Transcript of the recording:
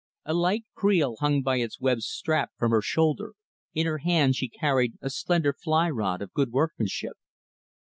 A light creel hung by its webbed strap from her shoulder; in her hand, she carried a slender fly rod of good workmanship.